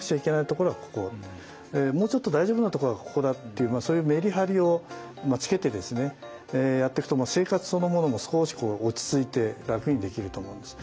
ところはここもうちょっと大丈夫なとこはここだっていうそういうメリハリをつけてですねやっていくと生活そのものも少し落ち着いて楽にできると思うんです。